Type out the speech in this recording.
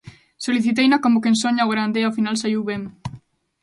Soliciteina como quen soña ao grande e ao final saíu ben.